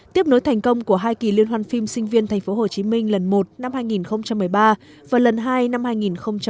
tiếp nối thành công của hai kỳ liên hoan phim sinh viên thành phố hồ chí minh lần một năm hai nghìn một mươi ba và lần hai năm hai nghìn một mươi năm